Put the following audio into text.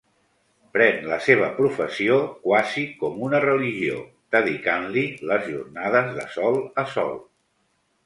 Pren la seva professió quasi com una religió, dedicant-li les jornades de sol a sol.